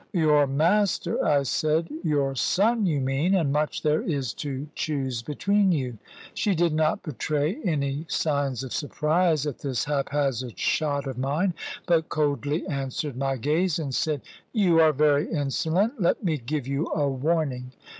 "Your master!" I said. "Your son, you mean! And much there is to choose between you!" She did not betray any signs of surprise at this hap hazard shot of mine, but coldly answered my gaze, and said "You are very insolent. Let me give you a warning.